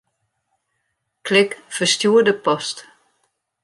Klik Ferstjoerde post.